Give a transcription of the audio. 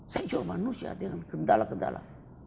saya juga manusia dengan kendala kendala